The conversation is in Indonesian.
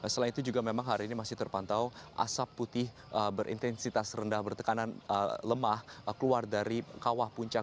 selain itu juga memang hari ini masih terpantau asap putih berintensitas rendah bertekanan lemah keluar dari kawah puncak